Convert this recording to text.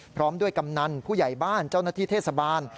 พร้อมด้วยกำนันผู้ใหญ่บ้านเจ้าหน้าที่เทศบาล